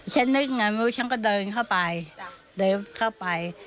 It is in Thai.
ฉันนึกอย่างไรฉันก็เดินเข้าไป